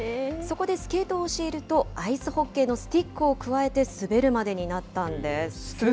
そこでスケートを教えると、アイスホッケーのスティックをくわえて滑るまでになったんです。